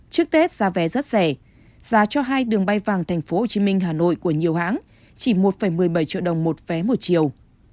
trước tết giá vé rất rẻ giá cho hai đường bay vàng tp hcm hà nội của nhiều hãng chỉ một một mươi bảy triệu đồng một vé một chiều